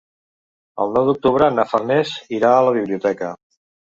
El nou d'octubre na Farners irà a la biblioteca.